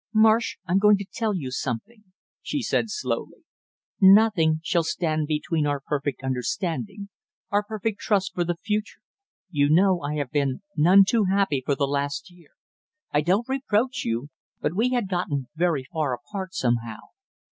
"Marsh, I'm going to tell you something," she said slowly. "Nothing shall stand between our perfect understanding, our perfect trust for the future. You know I have been none too happy for the last year I don't reproach you but we had gotten very far apart somehow.